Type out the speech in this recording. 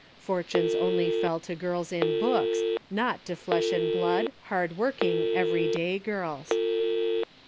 Fortunes only fell to girls in books, not to flesh and blood, hard working, everyday girls.